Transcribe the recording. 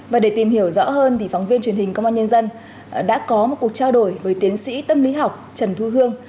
và để tìm hiểu rõ hơn thì phóng viên truyền hình công an nhân dân đã có một cuộc trao đổi với tiến sĩ tâm lý học trần thu hương